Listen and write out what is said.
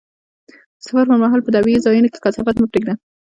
د سفر پر مهال په طبیعي ځایونو کې کثافات مه پرېږده.